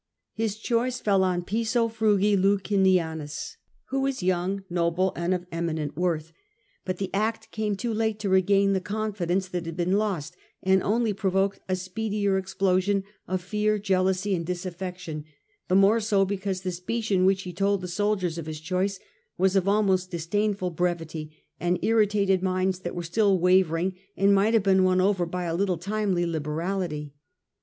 His choice fell on Piso Frugi Licinianus, who was young, noble, and of eminent worth. But the act came too late to regain the confidence that had been lost, and only provoked a speedier explosion of fear, jealousy, and disaffection ; the more so because the speech in which he told the soldiers of his choice was of almost disdainful brevity, and irri* tated minds that were still wavering and might have been won over by a little timely liberality.